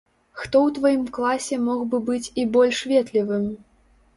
Хто ў тваім класе мог бы быць і больш ветлівым?